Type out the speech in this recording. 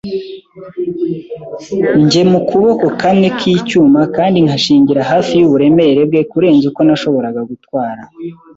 njye mukuboko kamwe k'icyuma kandi nkanshingira hafi yuburemere bwe kurenza uko nashoboraga gutwara.